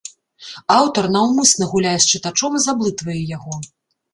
Аўтар наўмысна гуляе з чытачом і заблытвае яго.